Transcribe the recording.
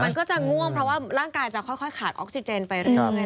มันก็จะง่วงเพราะว่าร่างกายจะค่อยขาดออกซิเจนไปเรื่อย